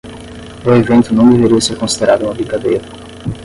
O evento não deveria ser considerado uma brincadeira.